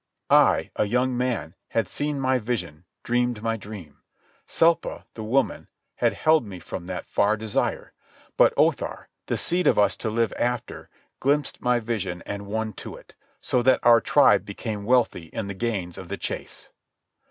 I, a young man, had seen my vision, dreamed my dream; Selpa, the woman, had held me from that far desire; but Othar, the seed of us to live after, glimpsed my vision and won to it, so that our tribe became wealthy in the gains of the chase.